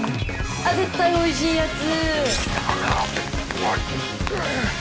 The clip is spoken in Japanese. あっ絶対おいしいやつ！